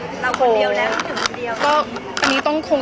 าังนึกว่าเห้ยเราคนเดียวทั้งมันคนเดียว